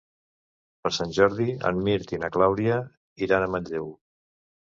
Per Sant Jordi en Mirt i na Clàudia iran a Manlleu.